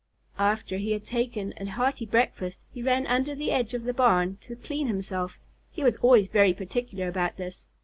After he had taken a hearty breakfast, he ran under the edge of the barn to clean himself. He was always very particular about this.